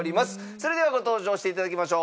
それではご登場していただきましょう。